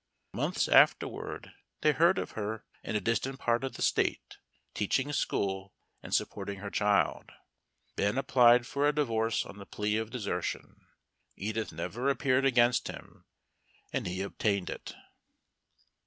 Months afterward they heard of her in a distant part of the State teaching school and supporting her child. Ben applied for a divorce on the plea of desertion. Edith never appeared against him, and he obtained it. III.